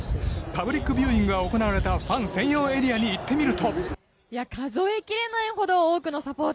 パブリックビューイングが行われたファン専用エリアに行ってみると。